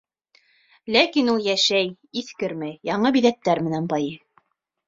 Ләкин ул йәшәй, иҫкермәй, яңы биҙәктәр менән байый.